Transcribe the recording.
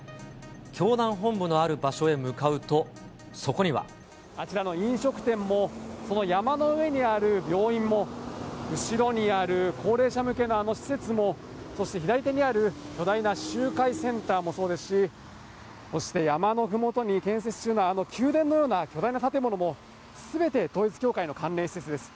教団本部のある場所へ向かうと、あちらの飲食店も、この山の上にある病院も、後ろにある高齢者向けのあの施設も、そして左手にある巨大な集会センターもそうですし、そして山のふもとに建設中の、あの宮殿のような巨大な建物も、すべて統一教会の関連施設です。